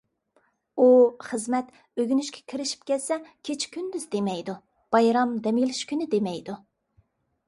ئۇ خىزمەت، ئۆگىنىشكە كىرىشىپ كەتسە كېچە-كۈندۈز دېمەيدۇ؛ بايرام، دەم ئېلىش كۈنى دېمەيدۇ.